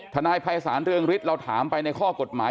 ทนายภัยศาลเรืองฤทธิ์เราถามไปในข้อกฎหมาย